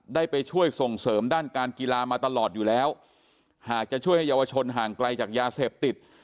ได้ไปช่วยส่งเสริมด้านการกีฬามาตลอดอยู่แล้วหากจะช่วยให้เยาวชนห่างไกลจากยาเสพติด